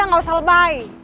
nggak usah lebay